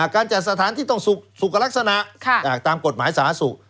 การจัดสถานที่ต้องสุขลักษณะตามกฎหมายสาธารณสุข